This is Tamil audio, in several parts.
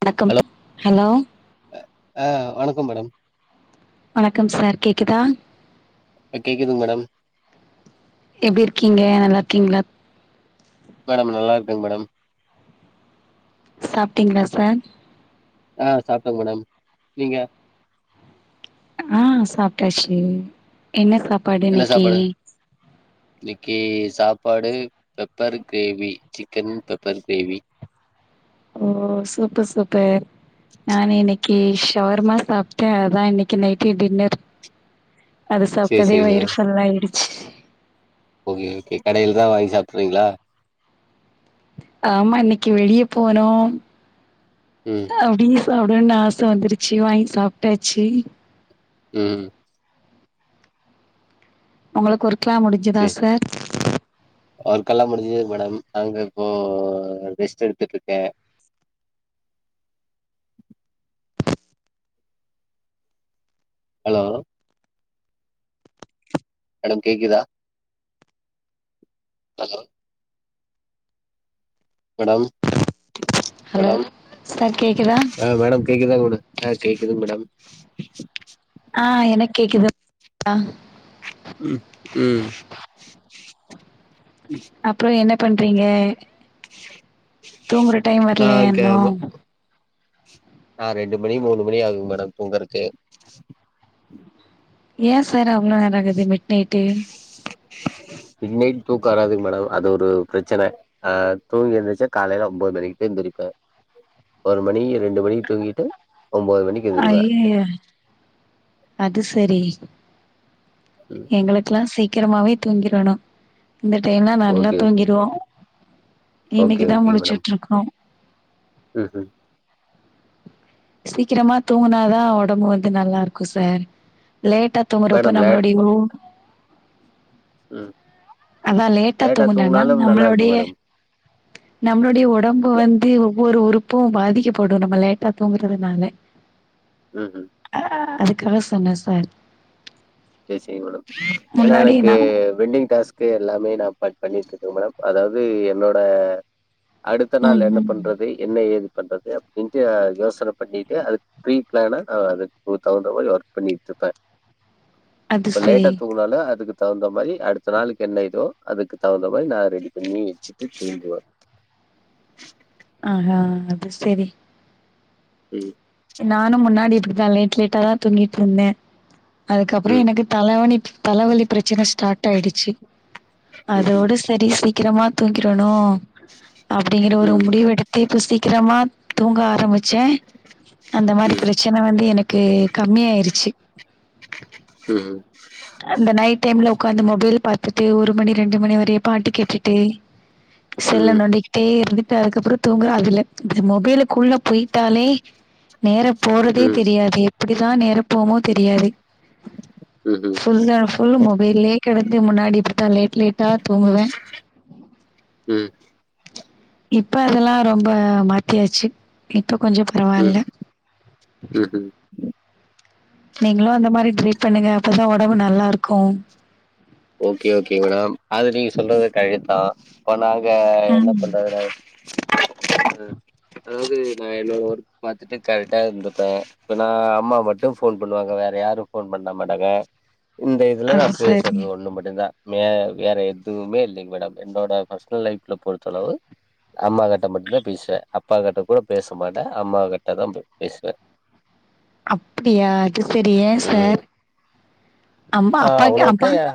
வணக்கம் ஹலோ ஹலோ ஆ வணக்கம் மேடம் வணக்கம் சார் கேக்குதா ப்ப கேக்குதிங் மேடம் எப்டி இருக்கிங்க நல்லாருக்கிங்ளா மேடம் நல்லாருக்கங் மேடம் சாப்டீங்ளா சார் ஆஹ் சாப்டே மேடம் நீங்க ஆ சாப்ட்டாச்சி என்ன சாப்பாடு இன்னிக்கி இன்னிக்கி சாப்பாடு pepper gravy chicken pepper gravy ஓ சூப்பர் சூப்பர் நா இன்னிக் கீ ஷவர்மா சாப்ட்டே அதா இன்னக்கி நைட்டு டின்னர் அது சேரி சாப்டதே சேரிங்க வயிறு மேடம் ஃபுல்லாயிடு ஓகே ஓகே கடைலதா வாங்கி சாப்ட்றிங்ளா ஆமா இன்னக்கி வெளிய போனோம் ம் அப்டிங்ளா போடுன் ஆச வந்துருச்சி வாங்கி சாப்ட்டாச்சி ம் உங்ளுக்கு ஒரு க்லா முடிஞ்சதா சேரி சார் ஒர்க்கெல்லா முடிஞ்சது மேடம் அங்க இப்போ ரெஸ்ட் எடுத்துட்டு இருக்க ஹலோ மேடம் கேக்குதா ஹலோ மேடம் ஹலோ சார் கேக்குதா ஆ மேடம் கேக்குதாங்க மேடம் அ கேக்குதுங்க மேடம் ஆஹ் எனக்கேக்குது பா உம் உம் அப்றோ என்ன பண்றீங்க தூங்குற டைம் நா வர்லயா இங்க இன்னு நா ரெண்டு மணி மூணு மணி ஆகும் மேடம் தூங்கறக்கு ஏன் சார் அவள நேர [unintelligible] மிட்நைட் தூக்க வராதுங் மேடம் அது ஒரு பிரச்சன ஆ தூங்கி எந்துரிச்சா காலையில ஒன்பது மணி எந்திரிப்ப ஒரு மணி ரெண்டு மணிக்கு தூங்கிட்டு ஒம்போது மணிக்கு எந்திருப்ப ஐயய்ய எங்களுக்லா சீக் சீக்கிரமாவே தூங்கிரணு இந்த டைம்லா நல்லா ஓகே ஓகே தூங்கிடுவோ ஓகே இன்னைக்குதா ஓகேங்க மேடம் முலிச்சிட்டு இருக்கோ ம் ம் சீக்ரமா தூங்குனாதா ஒடம்பு வந்து நல்லா இருக்கு சார் லேட்டா தூங்குறப்போ மேடம் லேட் நம்மொளோடய ஒ ம் அதா லேட்டா தூங்கினன்னா தூங்குனாலு நல்லா இருக்கு நம்ளோடைய மேடம் நம்மளோடைய ஒடம்பு இல்ல வந்து ஒவ்வொரு உறுப்பும் பாதிக்கப்படு நம்ம லேட்டா தூங்குறதுனால ம் ம் ஆ அது கதா சொன்ன சார் சரி சரி மேடம் ஏனா முன்னாடி எனக்கு நா வெட்டிங் டாஸ்கு எல்லாமே நா பட் பண்ணிட்டு இருக்க மேடம் அதாது என்னோட அடுத்த நாள் ம் என்ன ம் பண்றது என்ன ஏது பண்றது அப்டின்டு ஆ யோசன பண்ணிட்டு அதுக்கு ப்ரீ பிளானா ஆ அதுக்கு தகுந்த மாரி ஒர்க் பண்ணிட்டு இருப்ப அது இப்ப சரி லேட்டா தூங்குனாலு அதுக்கு தகுந்த மாரி அடுத்த நாளுக்கு என்ன இதோ அதுக்கு தகுந்த மாரி நா ரெடி பண்ணி வச்சிட்டு தூங்குவ ஆஹா அது சரி ம் நானு முன்னாடி இப்டிதா லேட் லேட்டாதா தூங்கிட்டு இருந்தே அதுக்கப்புறோ ம் எனக்கு தலவணி தலவலி பிரச்சன ஸ்டார்ட் ஆயிடிச்சு அதோட ம்ஹூம் சரி சி சீக்கிரமா தூங்கிடணு அப்டிங்குற ஒரு முடிவு எடுத்து இப்ப சீக்கிரமா தூங்க ஆரம்பிச்ச அந்த ம் மாதிரி ம் பிரச்சன வந்து எனக்கு கம்மியாயிருச்சு அந்த நைட் டைம்ல ஒக்காந்து மொபைல் பாத்துட்டு ஒரு மணி ரெண்டு மணி வரையு பாட்டு கேட்டுட்டு ம்ஹூம் செல்ல ம் நோண்டிக்கிட்டே இருந் த அதுக்கப்புறொ தூங்குற அதுல இந்த மொபைலுக்குள்ள போயிட்டாலே நேரம் போறதே ம் தெரியாது எப்டிதா நேர போவ்மோ தெரியாது ம்ஹூம் ஃபுல்லா சொல்லுமோ வெயில்லயே கெடந்து முன்னாடி இப்டித்தா லேட் லேட்டா தூங்குவே ம் இப்ப அதல்லா ரொம்ப மாத்தியாச்சு இ ப்ப கொஞ்சோ ம் பரவால்ல ம்ஹூம் நீங்ளு அந்த மாரி ட்ரிப் பண்ணுங்க அப்பதா ஒடம்பு நல்லாருக்கு ஓக்கே ஓக்கே மேடம் அது நீங்க சொல்றது கரெட்தா இப்ப நாங் க என்ன ம் பண்றதுனா அது அதாவது நா என்னோ ஒர்க் பாத்துட்டு கரெக்டா இருந்துப்பே இப்ப நா அம்மா மட்டு ஃபோன் பண்ணுவாங்க வேற யாரும் ஃபோன் பண்ண மாட்டாங்க இந்த இதுல நா அது பேசற் சரி மட்டுந்தா மே வேற எதுமே இல்லைங்க மேடம் என்னோட பர்ஸ்னல் லைஃப்ல பொறுத்தளவு அம்மா கிட்ட மட்டுந்தா பேசுவே அப்பா கிட்ட கூட பேச மாட்டே அம்மா கிட்ட தா ப் பேசுவே அப்டியா அது செரி ஏ ம் சார் அம்மா அப்பா கேம்ப் கயா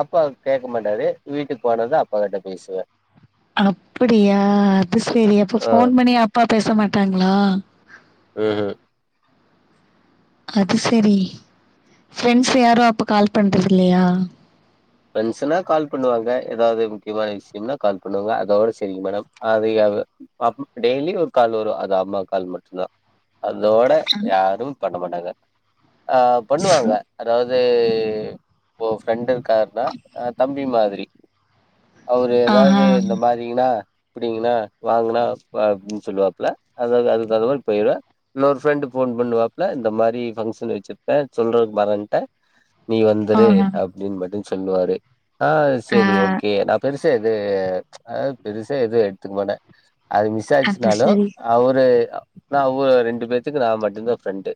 அப்பாக் கேக்க மாட்டாரு வீட்டுக்கு போனாதா அப்பா கிட்ட பேசுவே அப்பிடியா அது செரி அப்ப ஆ ஃபோன் பண்ணி அப்பா பேச மாட்டாங்ளா ம் ம் அது செரி ஃப்ரெண்ட்ஸ் யாரூ அப்ப கால் பண்றதில்லையா ஃப்ரெண்ட்ஸ்னா கால் பண்ணுவாங்க எதாவ்து முக்கியமான விஷியம்னா கால் பண்ணுவாங்க அதோட செரிங்க மேடம் அதய் அவ் அம் டெய்லி ஒரு கால் வரூ அது அம்மா கால் மட்டுந்தா அதோட யாரும் பண் ண மாட்டாங்க ஆ பண்ணுவாங்க அதாவ் இது ஓ ஃப்ரெண்டிர் கார் அ ஆ தம்பி மாதிரி அவுரு ஆஹா எதாவ்து இந்த மாரிங்கனா ப்டீங்னா வாங்கனா வ அப்டின் சொல்லுவாப்ல அத அத [unintelligible] போயிருவே இன்னொரு ஃப்ரெண்டு ஃபோன் பண்ணுவாப்ல இந்த மாரி பங்க்ஷன் வச்சிருப்பே சொல்றதுக்கு மறந்த்டே நீ வந்துரு ஆஹா அப்டின் மட்டுஞ் சொல்லுவாரு ஆ ஆ செரி ஓகே நா பெருஸ் பெரிசா எது அ பெருசா எதுவும் எடுத்துக்க மாட்டேன் அது மிஸ் அது ஆச்சுனாலு சரி அவருா அவ ரெண்டு பேர் க்கு நான் மட்டும்தான் ஃப்ரெண்டு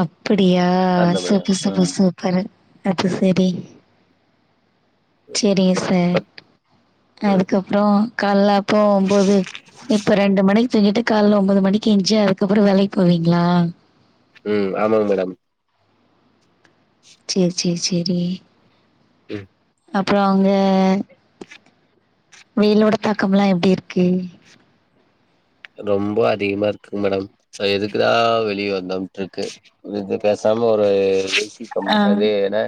அப்படியா அந்த மாரி சூப்பர் சூப்பர் ம் சூப்பரு அது சரி செரிங்க சார் பத்து- அதுக்கப்பறம் காலைல அப்போ ஒம்போது இப்ப ரெண்டு மணிக்கு தூங்கீட்டு காலைல ஒன்பது மணிக்கு எஞ்சு அதுக்கப்புறம் வேலைக்கு போவீங்களா உம் ஆமாங் மேடம் செரி செரி செரி ம் அப்புறோ அங்க வெயிலோட தாக்கம்ல்லா எப்டி இருக்கு ரொம்ப அதிகமா இருக்குங் மேடம் சே எதுக்குதா வெளியே வந்தம்ட்ருக்கு இதுக்கு பேசாம ஒரு சம் ஆ அது என்ன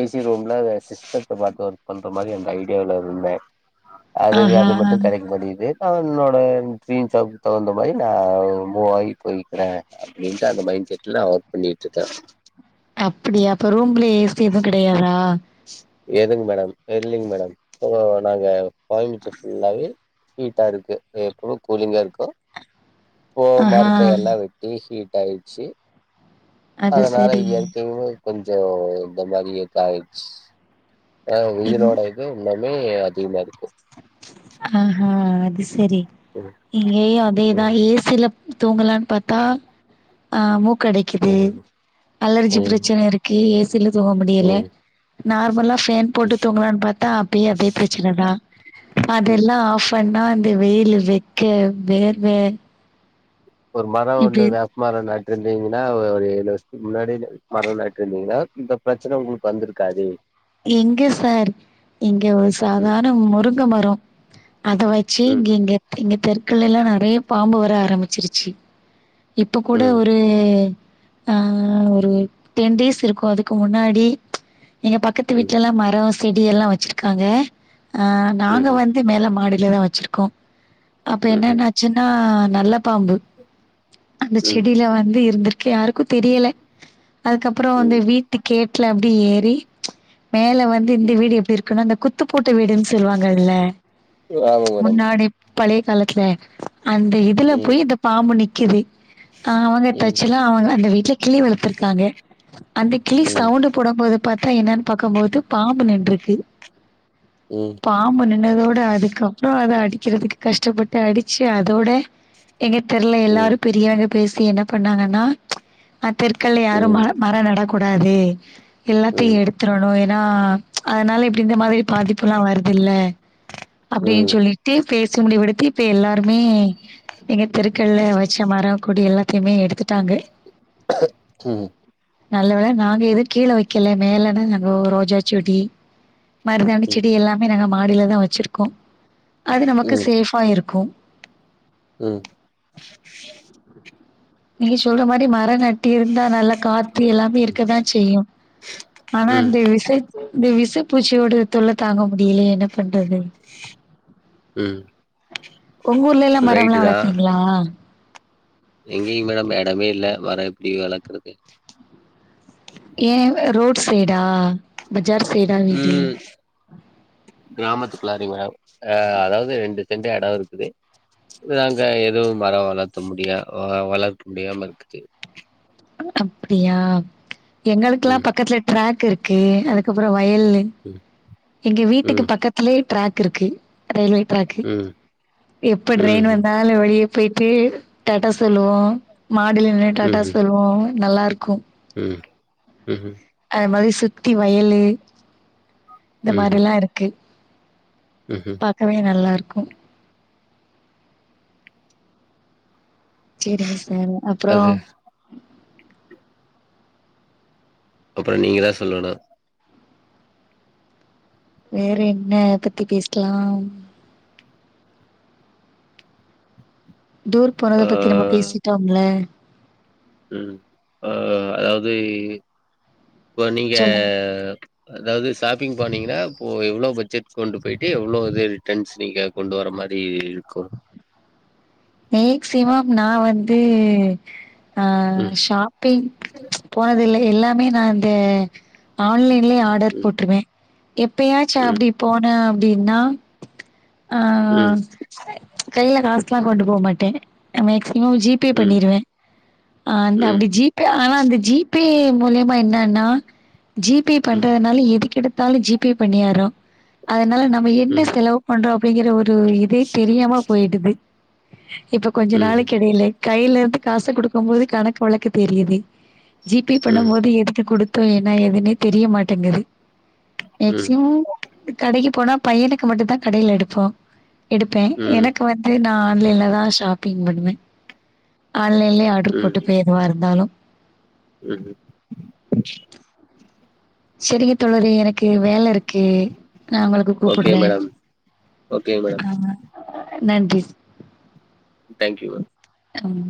ஏசி ரூம்ல சிஸ்டத்த பாத்து ஒர்க் பண்ற மாரி அந்த ஐடியாவுல இருந்தே ஆ அதுகு ஆஹா அது மட்டு கடைக் மாட்டீங்குது கவ்ர்மெண்ட் ரோடே சீன்சாவுக் தகுந்த மாரி நா மூவ் ஆகி போயிக்றே அப்டின்ட்டு அந்த மைண்ட செட்ல நா ஒர்க் பண்ணிட்ருக்கே அப்புடியா அப்ப ரூம்ல ஏசி எதும் கெடையாதா எதுங் மேடம் இல்லிங் மேடம் இப்போ நாங்க கோயம்பிச்சு ஃபுல்லாவே ஹீட்டா இருக்கு எப்பவு கூலிங்கா இருக்கு ஓ ஆஹா மரத்த எல்லா வெட்டி ஹீட் டாயிர்ச்சு அது அதனால சரி இங்க இருக்கனுன்று கொஞ்சோ இந்த மாரி ஏத்தாயி ஆ இன் உங்களோட இது உங்க மே அதிகமாருக்கு ஆஹா அது சரி ம் இங்கேயு அதேதா ம் ஏ சி-லப் தூங்கலான் பாத்தா அ மூக் கடைக்குது ம் அலர்ஜி ம் பிரச்சன இருக்கு தில்லு தூங்க முடியல ம் நார்மல் ஆஃப் ஃபேன் போட்டு தூங்கலான்னு பாத்தா அப்பயே அதே பிரச்சனதா அது ம் எல்லா ஆஃப் அண் நா அந்த வெயில் வெக்க வேர்வ ஒரு மரோ ஒண்ணு இப்டி வேப்பமரோ நட்ருந்தீங் என்னா ஒரு ஏழு வருஷத்துக்கு முன்னாடி மரோ நட்ருந்தீங்கன்னா இந்த பிரச்ன உங்களுக்கு வந்திருக்காது எங்க சார் இங்க ஒரு ம் சாதார்ண முருங்க மரோ அத வச்சு ம் இங்கெங்க எங்க தெருக்களெல்லாம் நிறைய பாம்பு வர ஆரம்பிச்சிருச்சு இப்ப கூட ம் ஒரு ஆஹ் ஒரு டென் டேஸ் இருக்கும் அதுக்கு முன்னாடி [unintelligible] ம் வீட்டுலெல்லாம் மரம் செடியெல்லாம் வச்சிருக்காங்க ஆஹ் நாங்க ம்ஹூம் வந்து மேல மாடு தெனோ வெச்சிருக்கோ அப்ப ம்ஹூம் என்னென்னாச்சுனா நல்ல பாம்பு அந்த ம் செடியில வந்து இருந்துருக்கு யாருக்கும் தெரியல அதுக்கப்புறம் வந்து ம் வீட்டு கே ல அப்படி ஏறி [unintelligible] மேல வந்து இந்த ம் வீடு எப்டி இருக்குன்னு அந்த குத்துப்போட்ட வீடுன்னு சொல்லுவாங்கல ஆமா மேடம் முன்னாடி பழைய காலத்துல அந்த இதுல ம் போய் இந்த பாம்பு நிக் கது [inaudible] அஹ் அவங்க ம் தற்செயலா அவங்க அந்த வீட்டுல கிளி வளர்த்திருக்காங்க அந்த கிளி ம் சவுண்ட போடும் போது பாத்தா த என்னன் [inaudible] பாக்கும்போதுபாம்பு நின்று இருக்கு ம் பாம்பு நின்னதோட அதுக்கப்புறோ அத அடி க்கிறதுக்கு கஷ்டப்பட்டு அடிச்சு அதோட எங்க தெருல ம் எல்லாரு ம் பெரியாங்க பேசி என்ன பண்ணாங்கன்னா அந்த தெருக்கல்ல ம் யாரு மர ம் மர நட குடாது எல்லாத்தியு ம் எடுத் ம் ஏன்னா அத்னால இப்டி இந்த மாதிரி பாதிப்பு எல்லா வருதுல்ல அப்டின் ம் சொல்லிட்டு பேசி முடிவு எடுத்தி இப்ப எல்லாருமே எங்க தெருக்கள்ல வெச்ச மரம் கொடி எல்லாத்தைமே எடுத்துட் டாங்க நல்ல வேள நாங்க எதுவு கீழ வெக்கல மேல ரோஜா சொடி மருதாணி செடி எல்லாமே நா மாடில தா வெச்சிருக்கோ அது நமக்கு ம் சேஃபா இருக்கு ம் நீங்க சொல்ற மாரி மர நட் டிருந்தா நல்லா காத்து எல்லாமே இருக்கதா செய்யு ஆனா இந்த விசத் இந்த விசப்பூச்சியோட தொல்ல தாங்க முடியலயே என்ன பண் றது ம் உங்க ஊர்லிலா மரம்லா வளக்கிங்ளா எங்கிங் மேடம் எடமே இல்ல மர எப்டி வளக்கறது ஏ ரோட் சைடா ப ஜார் சைடா வீடு ம் விளாடுரீங்களா சா அதாவது ரெண்டு எந்த எடோ இருக்குது நாங்க எதுவு மரோ வளர்த்த முடியா அ வளர்க்க முடியாம இருக்குது அப்படியா எங்களுக்குளா ம் பக்கத்துல ட்ராக் இருக் கு அதுக்கப்புறோ வயல்லு ம் எங்க வீட்டுக்கு ம் பக்கத்திலயே ட்ராக் கிருக்கு ரயில்வே ட்ராக்கு ம் எப்ப ட்ரெயின் ம்ஹும் வந்தாலு வெளிய போய்ட்டு டாட்டா சொல்லுவோ மாடில நின்னு டாட்டா ம்ஹும் சொ [unintelligible] நல்லாருக்கு ம் ம் ம் அதமாரி சுத்தி வயலு இந்த ம்ஹும் மாரில்லா இருக்கு ம்ஹும் பாக்கவே நல்லாரு [unintelligible] சேரிங்க சார் அப்றோ அது அப்பற நீங்கதா சொல்லனு வேறென்ன எத பத்தி பேசலாம் டூர் போனத ஆ பத்தி நம்ம பேசிட்டோம்ல ம் ஆ அதாவ்து இப்ப நீங்க சொல்லுங்க. அதாவ்து ஷாப்பிங் போனீங்கனா இப்போ எவ்ளோ பட்ஜெட் கொண்டு போயிட்டு எவ்ளோ இது ரிட்டன்ஸ் நீங்க கொண்டு வர மாரி இருக்கும். மேக்சிமம் நா வந்து ஆஹ் ம் ஷாப்பிங் போனதில்லை எல்லாமே நா அந்த ஆன்லைன்லேயே ஆர்டர் ம் போட்டிருவேன். எப்பயாச்சு ம் அப்படி போன. ப்டின்னா. ஆஹ். ம் கையில காசுலா கொண்டு போமாட்டே மேக்சி னு ஜீ பே ம் பண்ணீருவே. அ அந்த ம் அப்டி ஜீ பே ஆனா அந்த ஜூபே மூலயமா என்னன்னா. ஜூபே ம் பண்றதுனால எது கெடுத் எதுனாலு ஜி பே பண்ணிர்றோ அதனால நா என்ன ம் செலவு பண்றோ [unintelligible] டு இதே தெரியாம போய்டுது [inaudible] இப்ப கொஞ்ஜ ம் ம் நாள்ளக்கி யெடையிலே கையில இருந்து காசு குடுக்கும் போது கணக்கு வழக்கு தெரியுது ஜி பே பண்ணும் போது எதுக்கு குடுத்தோ என்னா ஏதுனே தெரிய மாட் தங்குது ம் எக்ஸிம் கடைக்கு போனா பையனுக்கு மட்டோ தான் கடையில எடுப்போ எடுப்பே ம் எனக்கு வந்து நா ஆன்லைன்ல தா ஷாப்பிங் பண்ணுவே அ ஆன்லைன்லயே ஆர்டர் போட்டுப்பே எதுனாலு உம் உம் சரிங்க தொழறே எனக் க்கே வேல இருக்கு நா உங்களுக்கு ஓகே கூப்புடுற்றே மேடம் ஓகே மேடம் ஆம்மா நன்றி தங்க்யூ உம்